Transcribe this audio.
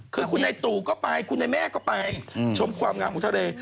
คือคุณนายตู่ก็ไปคุณในแม่ก็ไปชมความงามของทะเล